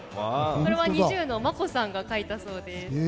これはＮｉｚｉＵのＭＡＫＯさんが描いたそうです。